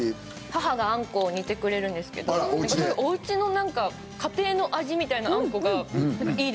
母があんこ煮てくれるんですけどおうちの家庭の味みたいなあんこがいいですね。